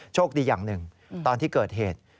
โชคดีอย่างหนึ่งตอนที่เกิดเหตุ